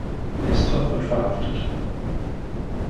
Nestor wird verhaftet.